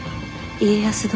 家康殿。